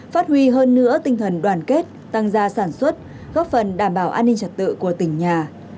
phát huy hơn nữa tinh thần đoàn kết tăng gia sản xuất góp phần đảm bảo an ninh trật tự của tỉnh nhà